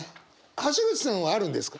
橋口さんはあるんですか？